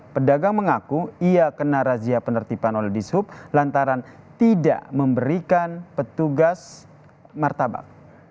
pedagang mengaku ia kena razia penertiban oleh dishub lantaran tidak memberikan petugas martabak